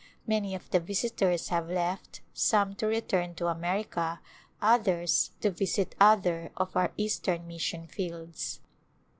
Many of the visitors have left, some to re turn to America, others to visit other of our Eastern mission fields.